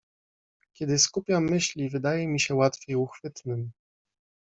"Kiedy skupiam myśli, wydaje mi się łatwiej uchwytnym."